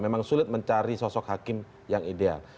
memang sulit mencari sosok hakim yang ideal